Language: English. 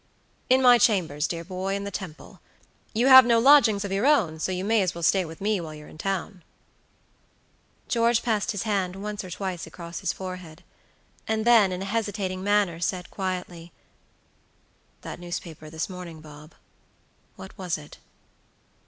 "In my chambers, dear boy, in the Temple. You have no lodgings of your own, so you may as well stay with me while you're in town." George passed his hand once or twice across his forehead, and then, in a hesitating manner, said, quietly: "That newspaper this morning, Bob; what was it?"